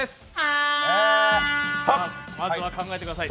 まずは考えてください。